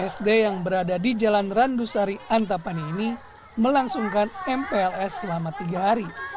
sd yang berada di jalan randusari antapani ini melangsungkan mpls selama tiga hari